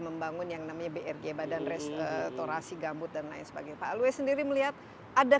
membangun yang namanya brg badan restorasi gambut dan lain sebagainya pak lues sendiri melihat ada